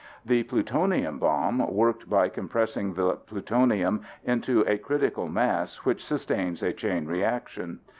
The plutonium bomb worked by compressing the plutonium into a critical mass which sustains a chain reaction.